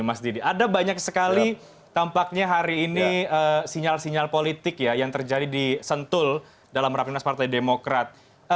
ada banyak sekali tampaknya hari ini sinyal sinyal politik yang terjadi di sentul dalam rapi mas partai demokrat